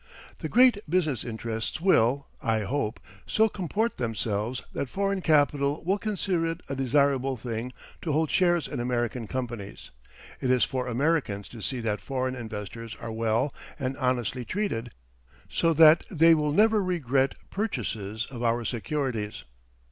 The great business interests will, I hope, so comport themselves that foreign capital will consider it a desirable thing to hold shares in American companies. It is for Americans to see that foreign investors are well and honestly treated, so that they will never regret purchases of our securities.